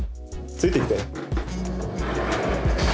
ついてきて。